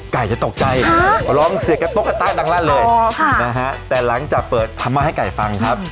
ไก่จะตกใจร้องเสียกระตุ๊กกระต๊ะดังลั่นเลยแต่หลังจากเปิดธรรมะให้ไก่ฟังครับ